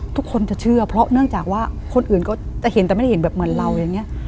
ทุกคนจะเชื่อเพราะเนื่องจากว่าคนอื่นก็จะเห็นแต่ไม่ได้เห็นแบบเหมือนเราอย่างนี้